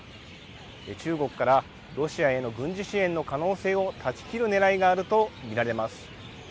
中国からロシアへの軍事支援の可能性を断ち切るねらいがあると見られます。